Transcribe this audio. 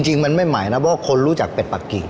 จริงมันไม่ใหม่นะเพราะว่าคนรู้จักเป็ดปะกิ